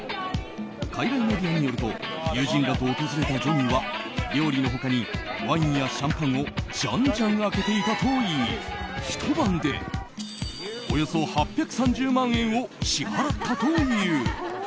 海外メディアによると友人らと訪れたジョニーは料理の他にワインやシャンパンをじゃんじゃん開けていたといいひと晩でおよそ８３０万円を支払ったという。